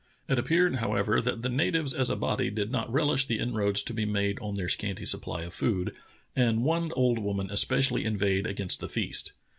It appeared, however, that the natives as a body did not relish the inroads to be made on their scanty supply of food, and one old woman especially inveighed against the feast.